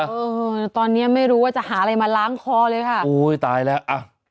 เออตอนเนี้ยไม่รู้ว่าจะหาอะไรมาล้างคอเลยค่ะโอ้ยตายแล้วอ่ะ